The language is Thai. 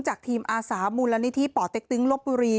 ทีมอาสามูลนิธิป่อเต็กตึงลบบุรี